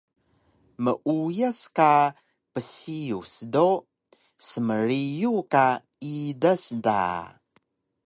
Meuyas ka psiyus do smriyu ka idas da